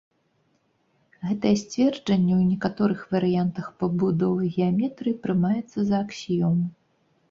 Гэтае сцверджанне ў некаторых варыянтах пабудовы геаметрыі прымаецца за аксіёму.